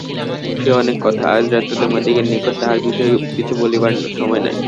সে অনেক কথা, আজ রাত্রে তোমাদিগের নিকট তাঁহার বিষয়ে কিছু বলিবার সময় নাই।